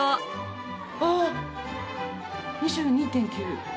あっ２２．９！